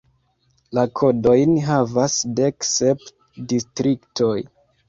La kodojn havas dek sep distriktoj.